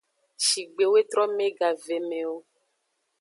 Shigbe zetrome gavemewo.